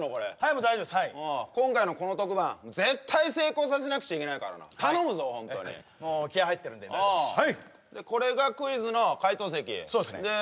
もう大丈夫ですはい今回のこの特番絶対成功させなくちゃいけないからな頼むぞホントにもう気合入ってるんで大丈夫ですでこれがクイズの解答席そうっすねで